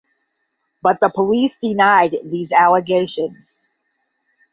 But the police denied these allegations.